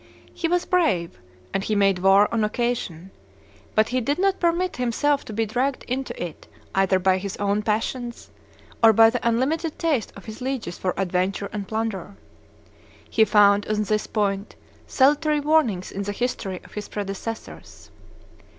He was brave, and he made war on occasion; but, he did not permit himself to be dragged into it either by his own passions or by the unlimited taste of his lieges for adventure and plunder. He found, on this point, salutary warnings in the history of his predecessors.